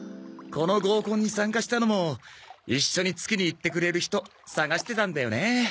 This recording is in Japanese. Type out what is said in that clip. この合コンに参加したのも一緒に月に行ってくれる人探してたんだよね。